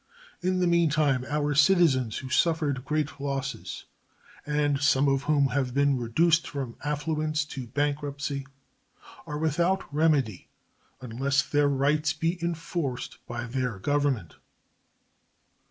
In the meantime our citizens, who suffered great losses and some of whom have been reduced from affluence to bankruptcy are without remedy unless their rights be enforced by their Government.